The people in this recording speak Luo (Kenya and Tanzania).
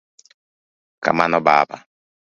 Kamano Baba.